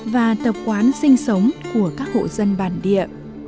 và tập quán sinh sống của các hộ dân bản địa